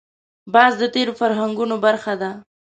باز د تېرو فرهنګونو برخه ده